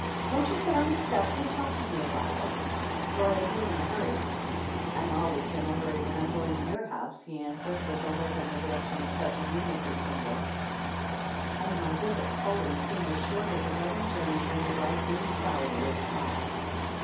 Won't you sit on the steps and talk to me a while? Or are you in a hurry?" "I'm always in a hurry when I'm going to your house," he answered with a look in the direction of Cousin Eunice's window. "And my visits always seem as short as a wedding jour ney when the bridegroom's salary is small."